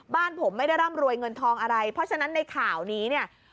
บ้านผมไม่ได้ร่ำรวยเงินทองอะไรเพราะฉะนั้นในข่าวนี้เนี่ย